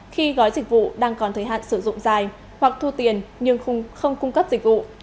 khi gói dịch vụ đang còn thời hạn sử dụng dài hoặc thu tiền nhưng không cung cấp dịch vụ